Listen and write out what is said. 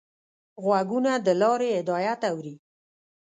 غوږونه د لارې هدایت اوري